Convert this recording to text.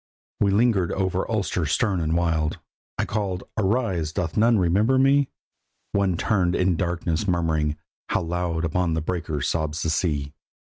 We lingered over Ulster stern and wild. I called: "Arise! doth none remember me?" One turnèd in the darkness murmuring, "How loud upon the breakers sobs the sea!"